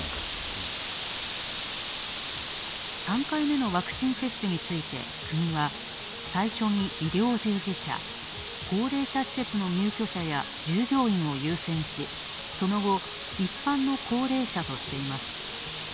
３回目のワクチン接種について、国は最初に医療従事者、高齢者施設の入居者や従業員を優先し、その後、一般の高齢者としています。